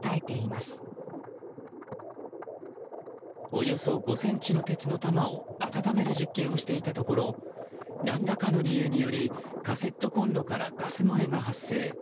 およそ５ｃｍの鉄の球を温める実験をしていたところ何らかの理由によりカセットコントからガス漏れが発生。